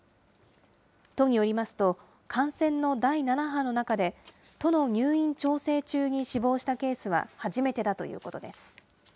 都によりますと、感染の第７波の中で、都の入院調整中に死亡したケースは初めてだということです。